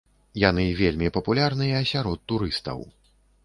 Яны вельмі папулярныя сярод турыстаў.